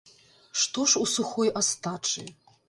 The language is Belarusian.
Што ж у сухой астачы?